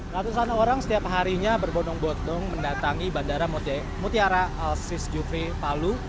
ratusan orang setiap harinya berbonong bonong mendatangi bandara mutiara al jufri palu